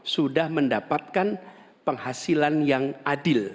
sudah mendapatkan penghasilan yang adil